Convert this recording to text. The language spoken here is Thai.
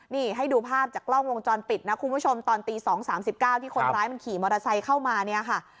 นี่ให้ดูภาพจากกล้องวงจรปิดนะคุณผู้ชมตอนตี๒๓๙ที่คนร้ายมันขี่มอเตอร์ไซค์เข้ามาเนี่ยค่ะ